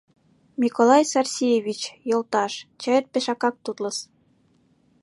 — Миколай Сарсиевич, йолташ, чает пешакак тутлыс.